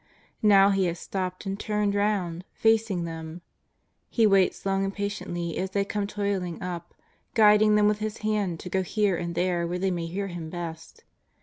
!N'ow He has stopped and turned round facing them. He waits long and patiently as they come toil ing up, guiding them with Ilis hand to go here and there where they may hear Him best.